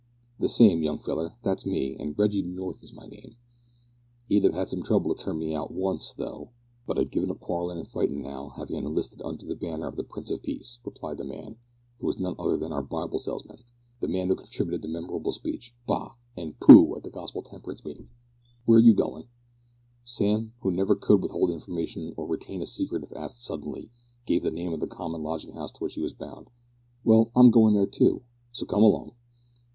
"The same, young feller. That's me, an' Reggie North is my name. He'd 'ave 'ad some trouble to turn me out once, though, but I've given up quarrellin' and fightin' now, havin' enlisted under the banner of the Prince of Peace," replied the man, who was none other than our Bible salesman, the man who contributed the memorable speech "Bah!" and "Pooh!" at the Gospel temperance meeting. "Where are you going?" Sam, who never could withhold information or retain a secret if asked suddenly, gave the name of the common lodging house to which he was bound. "Well, I'm going there too, so come along."